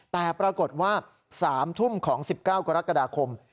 แต่ปรากฏว่า๓ทุ่มของ๑๙กรกฎาคม